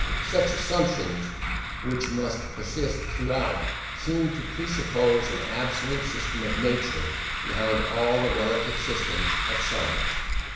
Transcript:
Such assumptions, which must persist throughout, seem to presuppose an absolute system of nature behind all the relative systems of science.